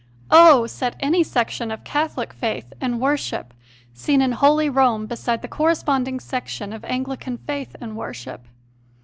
Oh! Set any section of Catholic faith and worship seen in holy Rome beside the corresponding section of Anglican faith and worship!